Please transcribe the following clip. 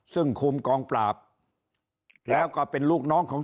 ซึ่งคุมกองปราบแล้วก็เป็นลูกน้องของ